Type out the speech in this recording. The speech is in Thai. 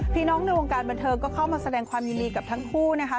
ในวงการบันเทิงก็เข้ามาแสดงความยินดีกับทั้งคู่นะคะ